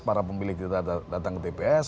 para pemilik datang ke tps